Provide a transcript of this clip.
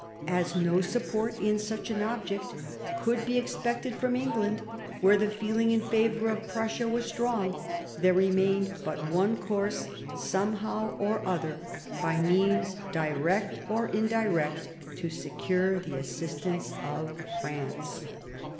As no support in such an object could be expected from England, where the feeling in favour of Prussia was strong, there remained but one course, somehow or other, by means direct or indirect, to secure the assistance of France.